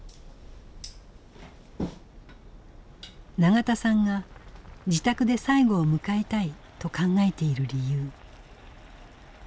永田さんが自宅で最期を迎えたいと考えている理由。